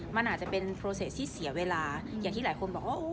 มันอาจจะเป็นโปรเศสที่เสียเวลาอย่างที่หลายคนบอกว่า